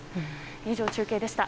以上、中継でした。